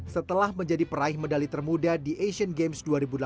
setelah menjadi peraih medali termuda di asian games dua ribu delapan belas